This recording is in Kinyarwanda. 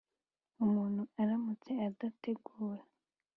Umuntu aramutse adategura